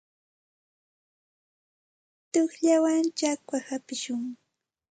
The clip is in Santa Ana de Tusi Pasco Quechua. Tuqllawan chakwata hapishun.